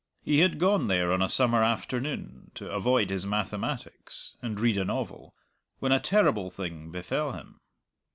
He had gone there on a summer afternoon, to avoid his mathematics and read a novel, when a terrible thing befell him.